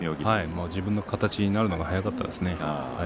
自分の形になるのが速かったですね。